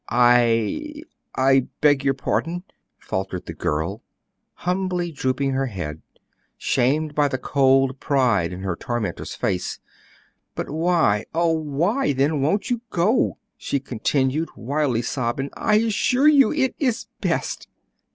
"I I beg your pardon," faltered the girl, humbly drooping her head, shamed by the cold pride in her tormentor's face; "but why, oh, why, then, won't you go?" she continued, wildly sobbing. "I assure you it is best."